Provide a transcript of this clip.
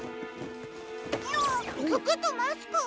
あっふくとマスク？